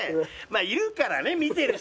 いるからね見てる人だって。